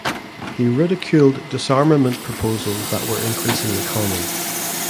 He ridiculed disarmament proposals that were increasingly common.